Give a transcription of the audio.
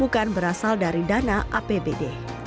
bukan berasal dari dana apbd